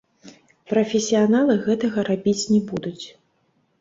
Прафесіяналы гэтага рабіць не будуць.